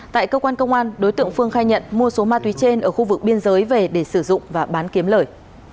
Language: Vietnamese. tại cơ quan công an đối tượng phương khai nhận mua số ma túy trên ở khu vực biên giới về để sử dụng và bán kiếm lời